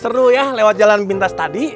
seru ya lewat jalan pintas tadi